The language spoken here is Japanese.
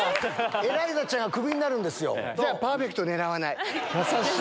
エライザちゃんがクビになるじゃあ、パーフェクト狙わな優しい。